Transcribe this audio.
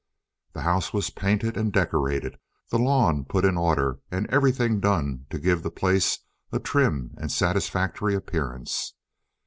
The house was painted and decorated, the lawn put in order, and everything done to give the place a trim and satisfactory appearance.